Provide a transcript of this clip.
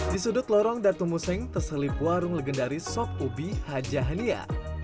di sudut lorong datu museng terselip warung legendaris sop ubi hajahania